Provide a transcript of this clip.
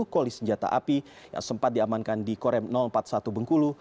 satu koli senjata api yang sempat diamankan di korem empat puluh satu bengkulu